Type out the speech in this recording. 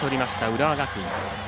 浦和学院。